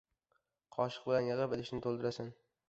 • Qoshiq bilan yig‘ib, idishni to‘ldirasan.